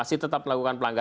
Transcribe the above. itu tidak akan diganggu